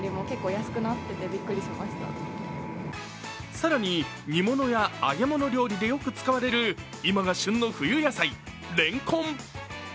更に、煮物や揚げ物料理でよく使われる今が旬の冬野菜れんこん。